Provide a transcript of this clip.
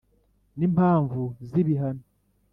n impamvu z ibihano